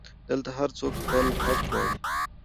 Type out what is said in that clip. دلته هرڅوک خپل حق غواړي